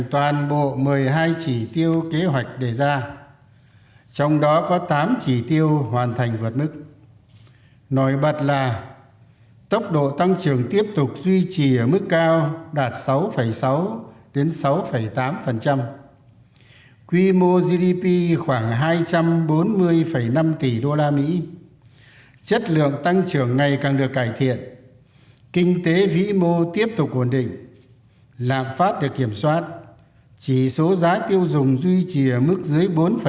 toàn bộ một mươi hai chỉ tiêu kế hoạch đề ra trong đó có tám chỉ tiêu hoàn thành vượt mức nổi bật là tốc độ tăng trưởng tiếp tục duy trì ở mức cao đạt sáu sáu nói bật là tốc độ tăng trưởng tiếp tục duy trì ở mức cao đạt sáu sáu nói bật là tốc độ tăng trưởng tiếp tục duy trì ở mức cao đạt sáu sáu